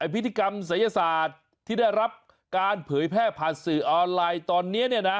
พิธีกรรมศัยศาสตร์ที่ได้รับการเผยแพร่ผ่านสื่อออนไลน์ตอนนี้